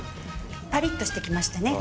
ぱりっとしてきましたね。